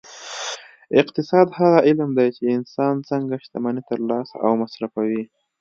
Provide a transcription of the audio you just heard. اقتصاد هغه علم دی چې انسان څنګه شتمني ترلاسه او مصرفوي